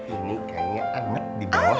ini kayaknya amat di bawah